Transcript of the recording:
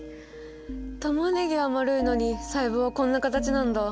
タマネギは丸いのに細胞はこんな形なんだ。